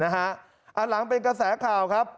หลังเป็นกระแสข่าวครับ